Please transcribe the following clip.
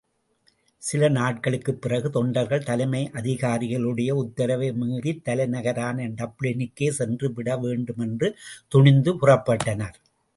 சில நாட்களுக்குப் பிறகு தொண்டர்கள் தலைமை அதிகாரிகளுடைய உத்தரவை மீறித்தலைநகரான டப்ளினுக்கே சென்று விடவேண்டும் என்று துணிந்து புறப்பட்டனர்.